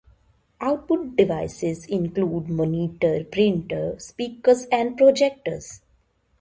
Stephen Sondheim wrote the film's musical score.